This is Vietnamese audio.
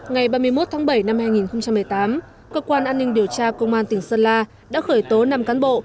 ngày ba mươi một tháng bảy năm hai nghìn một mươi tám cơ quan an ninh điều tra công an tỉnh sơn la đã khởi tố năm cán bộ